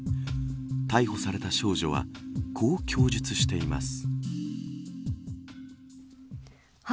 逮捕された少女はこう供述しています。